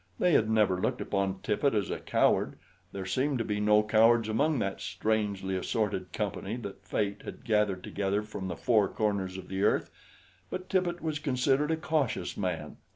They had never looked upon Tippet as a coward there seemed to be no cowards among that strangely assorted company that Fate had gathered together from the four corners of the earth but Tippet was considered a cautious man.